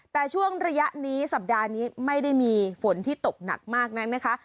แต่ช่วงระยะนี้สัปดาห์นี้ไม่ได้มีฝนที่ตกหนักมากนักนะคะ